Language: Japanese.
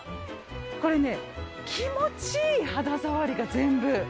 これね、気持ちいい肌触りが全部。